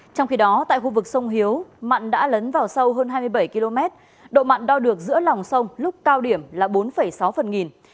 trong khi đó tại khu vực sông hiếu mặn đã lấn vào sâu hơn hai mươi bảy km độ mặn đo được giữa lòng sông lúc cao điểm là bốn sáu phần nghìn